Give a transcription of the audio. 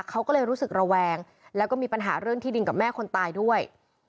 เขาก็เลยรู้สึกระแวงแล้วก็มีปัญหาเรื่องที่ดินกับแม่คนตายด้วย